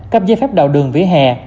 cấp giấy phép đào đường vía hè